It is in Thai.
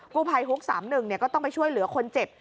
ผู้ภัยฮุก๓๑ก็ต้องไปช่วยเหลือคนเจ็บ